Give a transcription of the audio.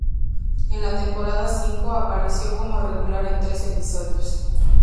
En la temporada cinco, apareció como regular en tres episodios.